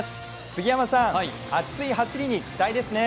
杉山さん、熱い走りに期待ですね。